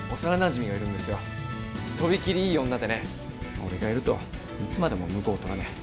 俺がいるといつまでも婿を取らねえ。